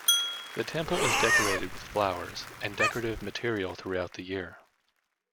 The temple is decorated with flowers and decorative material throughout the year.